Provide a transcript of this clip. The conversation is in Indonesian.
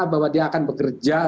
bahwa dia akan bekerja